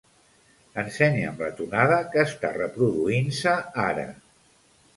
Ensenya'm la tonada que està reproduint-se ara.